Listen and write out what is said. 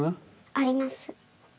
あります。